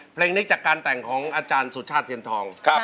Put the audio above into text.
เพลงนี้จากการแต่งของอาจารย์สุชาติเทียนทอง